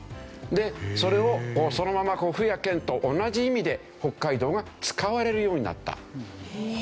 でそれをそのまま府や県と同じ意味で北海道が使われるようになったという。